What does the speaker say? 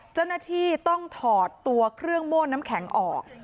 เจ้าหน้าที่ต้องถอดตัวเครื่องโม่นน้ำแข็งออก